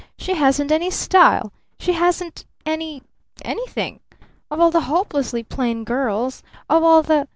She hasn't any style! She hasn't any anything! Of all the hopelessly plain girls! Of all the